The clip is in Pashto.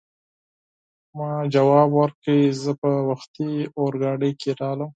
ما ځواب ورکړ: زه په وختي اورګاډي کې راغلم.